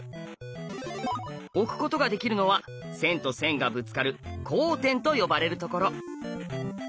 置くことができるのは線と線がぶつかる交点と呼ばれるところ。